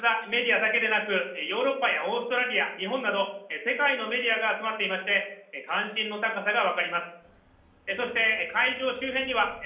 会場にはアメリカメディアだけでなくヨーロッパやオーストラリア日本など世界のメディアが集まっていまして、関心の高さが分かります。